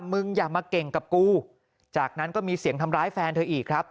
มึงอย่ามาเก่งกับกูจากนั้นก็มีเสียงทำร้ายแฟนเธออีกครับ